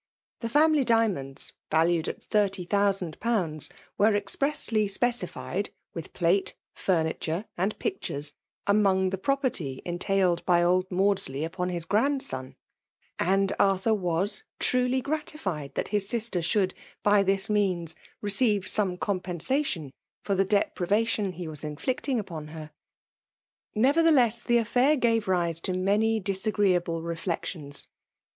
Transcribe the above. The &niily diar monda, valued at thirty thousand poonda, weoe mqpreasly specified^ with plste^ fumitere, and picturesi among the property entailed by old Maudflley upon his grandson; and Arthur was truly gratified that his sister should by this means reoeiTe some eompensation for tiie de privation he was inflicting Ufxm her. Nevertheless the affair ga^ rise to many disagreeaUe reflections.